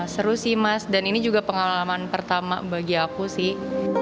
seru sih mas dan ini juga pengalaman pertama bagi aku sih